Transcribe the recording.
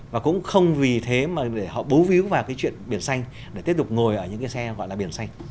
và cũng không vì thế mà để họ bố víu vào cái chuyện biển xanh để tiếp tục ngồi ở những cái xe gọi là biển xanh